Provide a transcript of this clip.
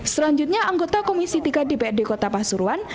selanjutnya anggota komisi tiga dprd kota pasuruan